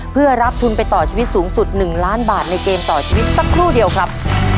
เพื่อรับทุนไปต่อชีวิตสูงสุด๑ล้านบาทในเกมต่อชีวิตสักครู่เดียวครับ